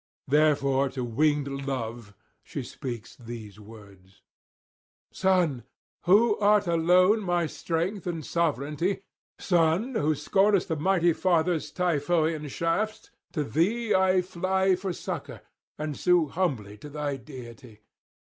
Therefore to winged Love she speaks these words: 'Son, who art alone my strength and sovereignty, son, who scornest the mighty father's Typhoïan shafts, to thee I fly for succour, and sue humbly to thy deity.